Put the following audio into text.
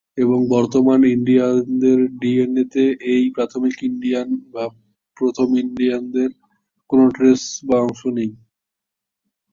এবং বর্তমান ইন্ডিয়ানদের ডিএনএ-তে এই প্রাথমিক ইন্ডিয়ান বা প্রথম ইন্ডিয়ানদের কোন ট্রেস বা অংশ নেই।